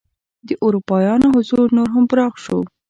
د اروپایانو حضور نور هم پراخ شو.